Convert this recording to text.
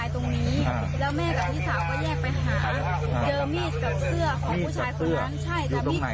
อยู่ค่ะแล้วทีนี้มันก็มีลอยนิ้วมือเหมือนลูกมาเล่นสายตรงนี้